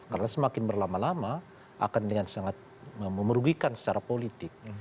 karena semakin berlama lama akan dengan sangat memerugikan secara politik